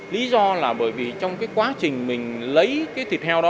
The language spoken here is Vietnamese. lý do là bởi vì trong cái quá trình mình lấy cái thịt heo đó